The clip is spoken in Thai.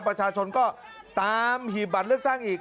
ประชาชนก็ตามหีบบัตรเลือกตั้งอีก